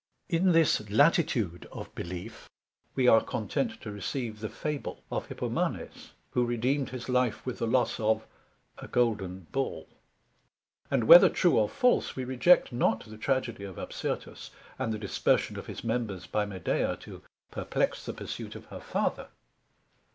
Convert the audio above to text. In this latitude of belief, we are content to receive the Fable of Hippomanes, who redeemed his life with the loss of a Golden Ball; and whether true or false, we reject not the Tragœdy of Absyrtus, and the dispersion of his Members by Medea, to perplex the pursuit of her Father.